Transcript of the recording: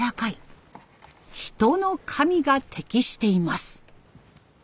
人の髪が適しています。